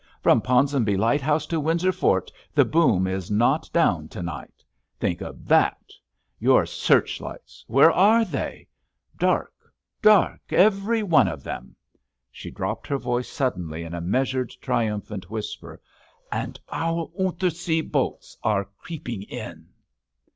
"From Ponsonby Lighthouse to Windsor Fort the boom is not down to night. Think of that. Your searchlights—where are they? Dark—dark—every one of them." She dropped her voice suddenly in a measured, triumphant whisper, "and our Unter see boats are creeping in."